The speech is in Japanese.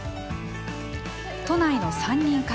都内の３人家族。